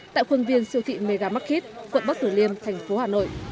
tại khuôn viên siêu thị mega market quận bắc tử liêm thành phố hà nội